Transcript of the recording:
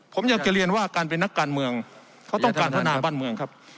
ผมอยากจะเรียนว่าการเป็นนักการเมืองเขาต้องการพัฒนาบ้านเมืองครับ